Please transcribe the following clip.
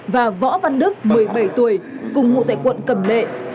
và võ văn đức một mươi bảy tuổi cùng ngụ tại quận cầm lệ